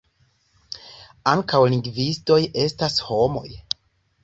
Ankaŭ lingvistoj estas homoj.